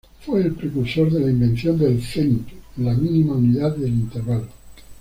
Fue el precursor de la invención del cent, la mínima unidad de intervalo.